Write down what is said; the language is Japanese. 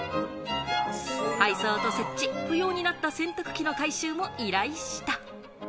配送と設置、不要になった洗濯機の回収も依頼した。